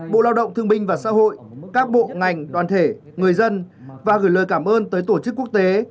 bộ lao động thương binh và xã hội các bộ ngành đoàn thể người dân và gửi lời cảm ơn tới tổ chức quốc tế